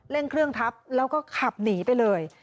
เครื่องทับแล้วก็ขับหนีไปเลย